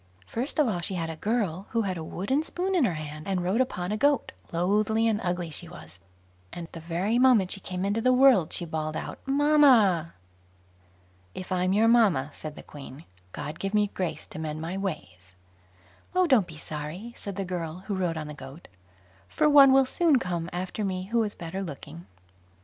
First of all, she had a girl who had a wooden spoon in her hand, and rode upon a goat; loathly and ugly she was, and the very moment she came into the world, she bawled out "Mamma". "If I'm your mamma", said the Queen, "God give me grace to mend my ways." "Oh, don't be sorry", said the girl, who rode on the goat, "for one will soon come after me who is better looking."